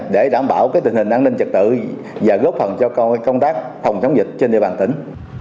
để đảm bảo tình hình an ninh trật tự và góp phần cho công tác phòng chống dịch trên địa bàn tỉnh